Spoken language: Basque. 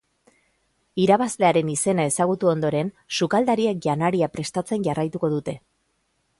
Irabazlearen izena ezagutu ondoren, sukaldariek janaria prestatzen jarraituko dute.